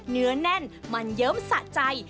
เนื้อแน่นมันเยิ้มสะใจ